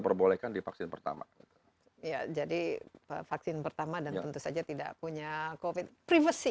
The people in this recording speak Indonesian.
perbolehkan di vaksin pertama ya jadi vaksin pertama dan tentu saja tidak punya covid privacy